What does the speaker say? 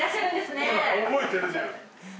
ほら覚えてるじゃん。